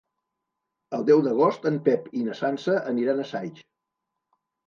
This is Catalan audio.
El deu d'agost en Pep i na Sança aniran a Saix.